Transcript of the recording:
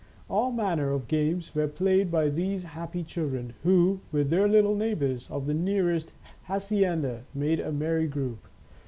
All manner of games were played by these happy children, who, with their little neighbours of the nearest hacienda, made a merry group.